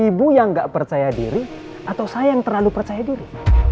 ibu yang nggak percaya diri atau saya yang terlalu percaya diri